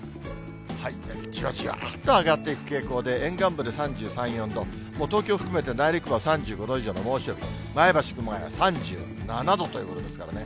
じわじわーっと上がっていく傾向で、沿岸部で３３、４度、東京含めて、内陸部は３５度以上の猛暑日、前橋、熊谷、３７度ということですからね。